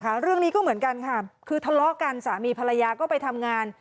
เรื่องนี้ก็เหมือนกันค่ะคือทะเลาะกันสามีภรรยาก็ไปทำงาน